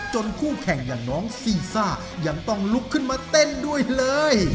คู่แข่งอย่างน้องซีซ่ายังต้องลุกขึ้นมาเต้นด้วยเลย